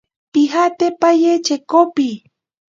Pijate paye chekopi.